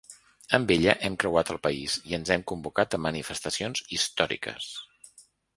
Amb ella hem creuat el país i ens hem convocat a manifestacions històriques.